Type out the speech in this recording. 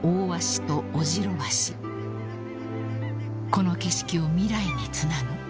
［この景色を未来につなぐ］